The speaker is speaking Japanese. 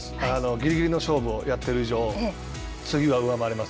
ぎりぎりの勝負をやっている以上次は上回れます。